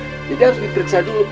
jadi harus diperiksa dulu